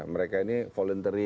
mereka ini voluntary